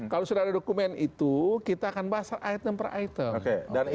kalau sudah ada dokumen itu kita akan bahas item per item